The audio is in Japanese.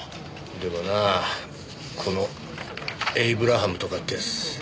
でもなあこのエイブラハムとかってやつ。